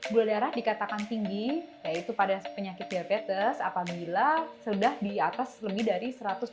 gula darah dikatakan tinggi yaitu pada penyakit diabetes apabila sudah di atas lebih dari satu ratus dua puluh